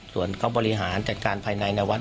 ส่วนเขาบริหารจัดการภายในวัด